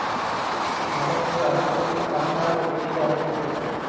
அடக்கு அடக்கு அடங்காக் குதிரையை அடக்கு!.